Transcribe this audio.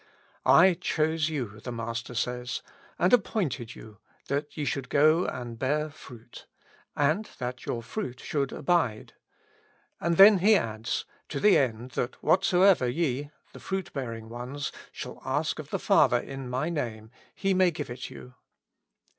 "I chose you," the Master says, " and appointed you that ye should go and bear fruit, and that your fruit should abide ;" and then He adds, to the etid, " that whatsoever ye," the fruit bearing ones, " shall ask of the Father in my name. He may give it you."